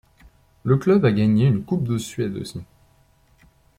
Le club a gangé une coupe de Suède aussi.